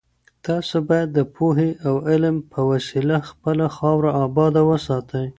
تاسو بايد د پوهي او علم په وسيله خپله خاوره اباده وساتئ.